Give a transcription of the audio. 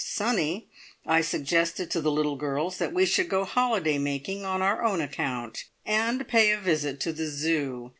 sunny, I suggested to the little girls that we should go holiday making on our own account, and pay a visit to the Zoo.